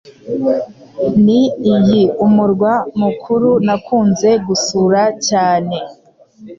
ni iyi umurwa mukuru nakunze gusura cyane